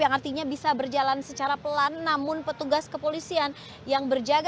yang artinya bisa berjalan secara pelan namun petugas kepolisian yang berjaga